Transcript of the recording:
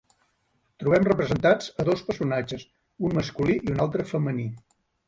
Trobem representats a dos personatges, un masculí i un altre femení.